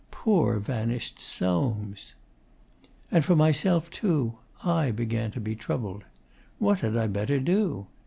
Poor vanished Soames! And for myself, too, I began to be troubled. What had I better do?